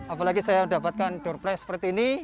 apalagi saya mendapatkan door price seperti ini